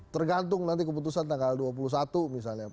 tergantung nanti keputusan tanggal dua puluh satu misalnya